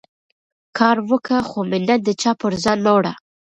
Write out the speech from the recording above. کار وکه، خو مینت د چا پر ځان مه وړه.